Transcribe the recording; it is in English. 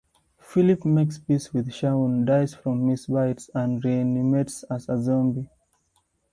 Philip makes peace with Shaun, dies from his bites, and reanimates as a zombie.